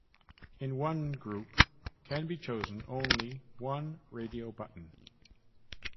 In one group can be chosen only one radio button.